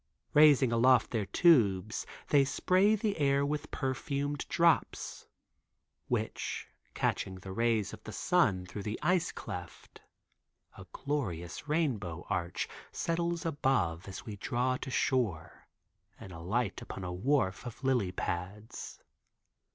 Raising aloft their tubes they spray the air with perfumed drops, which, catching the rays of the sun through the ice cleft, a glorious rainbow arch settles above as we draw to shore and alight upon a wharf of lily pads.